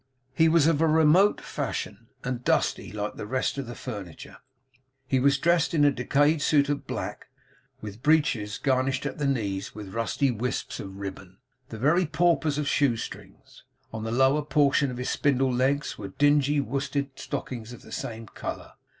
He was of a remote fashion, and dusty, like the rest of the furniture; he was dressed in a decayed suit of black; with breeches garnished at the knees with rusty wisps of ribbon, the very paupers of shoestrings; on the lower portion of his spindle legs were dingy worsted stockings of the same colour.